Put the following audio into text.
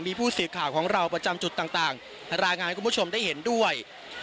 มีผู้สื่อข่าวของเราประจำจุดต่างรายงานให้คุณผู้ชมได้เห็นด้วย